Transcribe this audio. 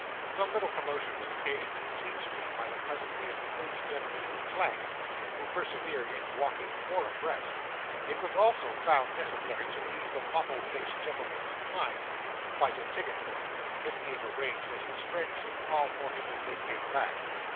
Some little commotion was occasioned in Fleet Street, by the pleasantry of the eight gentlemen in the flank, who persevered in walking four abreast; it was also found necessary to leave the mottled faced gentleman behind, to fight a ticket porter, it being arranged that his friends should call for him as they came back.